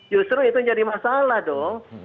justru itu jadi masalah dong